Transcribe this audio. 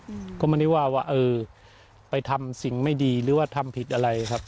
อืมก็ไม่ได้ว่าว่าเออไปทำสิ่งไม่ดีหรือว่าทำผิดอะไรครับ